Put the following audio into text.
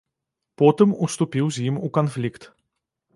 Потым уступіў з ім у канфлікт.